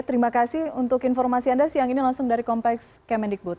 terima kasih untuk informasi anda siang ini langsung dari kompleks kemendikbud